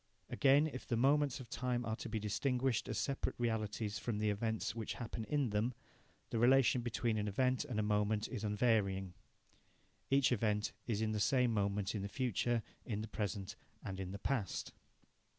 Again, if the moments of time are to be distinguished as separate realities from the events which happen in them, the relation between an event and a moment is unvarying. Each event is in the same moment in the future, in the present, and in the past.